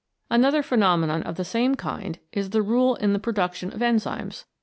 Another phenomenon of the same kind is the rule in the production of enzymes.